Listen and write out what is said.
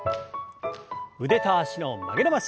腕と脚の曲げ伸ばし。